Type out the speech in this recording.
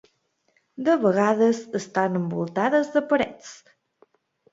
De vegades estan envoltades de parets.